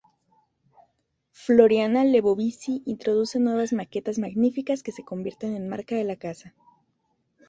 Floriana Lebovici introduce nuevas maquetas magníficas que se convierten en marca de la casa.